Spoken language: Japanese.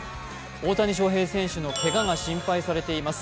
大谷翔平選手のけがが心配されています